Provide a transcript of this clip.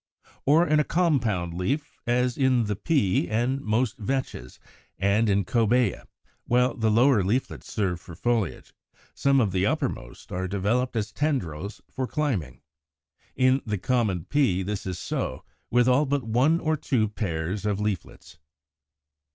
169. Or in a compound leaf, as in the Pea and most Vetches, and in Cobæa, while the lower leaflets serve for foliage, some of the uppermost are developed as tendrils for climbing (Fig. 167). In the common Pea this is so with all but one or two pairs of leaflets.